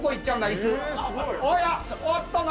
椅子！